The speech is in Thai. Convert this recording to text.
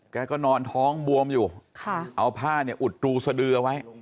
แกก็นอนท้องบวมอยู่เอาผ้าเนี่ยอุดรูสดือเอาไว้